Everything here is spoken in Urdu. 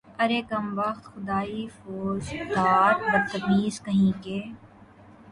ارے کم بخت، خدائی فوجدار، بدتمیز کہیں کے